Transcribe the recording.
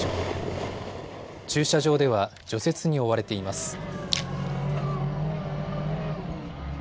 駐車場では除雪に追われています。